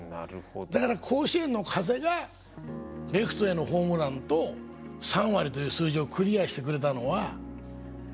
だから甲子園の風がレフトへのホームランと３割という数字をクリアしてくれたのは風が教えてくれたかもしれません。